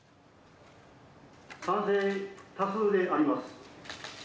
賛成多数であります。